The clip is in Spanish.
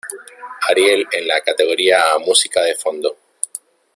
Ariel en la categoría a Música de Fondo